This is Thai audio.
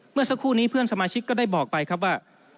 เมื่อสักครู่นี้เพื่อนสมาชิกก็ได้บอกไปครับว่า